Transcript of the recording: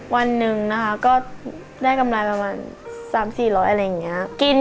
วันหนึ่งนะคะก็ได้กำไรประมาณ๓๔๐๐อะไรอย่างนี้